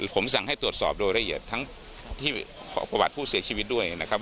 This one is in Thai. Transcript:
ผมสั่งให้ตรวจสอบโดยละเอียดทั้งที่ประวัติผู้เสียชีวิตด้วยนะครับ